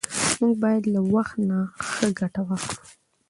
موږ باید له وخت نه ښه ګټه واخلو